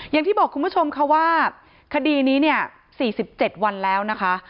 อย่างที่บอกคุณผู้ชมค่ะว่าคดีนี้เนี่ย๔๗วันแล้วนะคะ